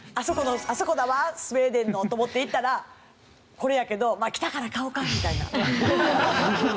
「あそこだわスウェーデンの！」と思って行ったらこれやけど「来たから買おか」みたいな。